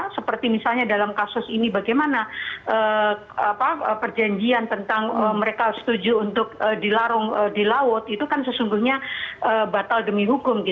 seperti misalnya dalam kasus ini bagaimana perjanjian tentang mereka setuju untuk dilarung di laut itu kan sesungguhnya batal demi hukum